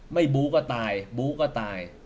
ไม่บู้ก็ตายบู้ก็ตาย